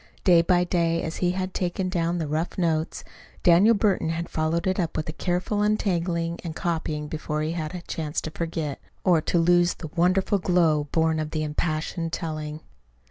Day by day, as he had taken down the rough notes, Daniel Burton had followed it up with a careful untangling and copying before he had had a chance to forget, or to lose the wonderful glow born of the impassioned telling.